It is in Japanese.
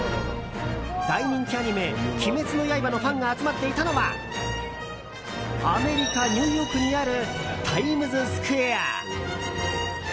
大人気アニメ「鬼滅の刃」のファンが集まっていたのはアメリカ・ニューヨークにあるタイムズスクエア。